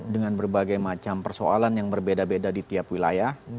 dengan berbagai macam persoalan yang berbeda beda di tiap wilayah